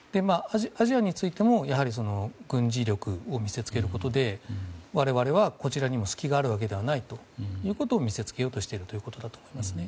アジアについても軍事力を見せつけることで我々はこちらにも隙があるのではないということを見せつけようとしているということだと思いますね。